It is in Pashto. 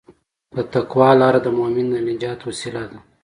د تقوی لاره د مؤمن د نجات وسیله ده.